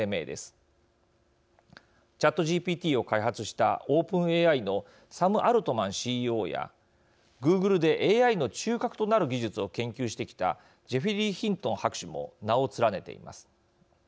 ＣｈａｔＧＰＴを開発したオープンＡＩのサム・アルトマンＣＥＯやグーグルでＡＩの中核となる技術を研究してきたジェフリー・ヒントン博士も名を連ねています。